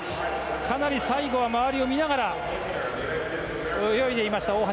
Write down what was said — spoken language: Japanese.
かなり最後は周りを見ながら泳いでいた大橋。